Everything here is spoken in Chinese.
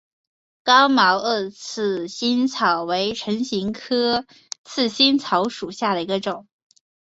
刚毛萼刺蕊草为唇形科刺蕊草属下的一个种。